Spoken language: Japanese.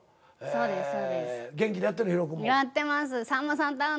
そうですか。